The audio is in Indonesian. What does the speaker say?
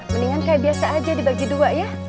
mendingan kayak biasa aja dibagi dua ya